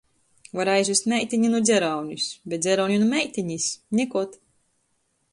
Var aizvest meitini nu dzeraunis, bet dzerauni nu meitinis - nikod.